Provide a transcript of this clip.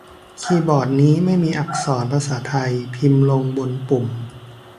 คีย์บอร์ดนี้ไม่มีอักษรภาษาไทยพิมพ์ลงบนปุ่ม